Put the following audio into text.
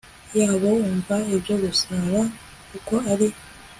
yabo umva ibyo bagusaba, kuko ari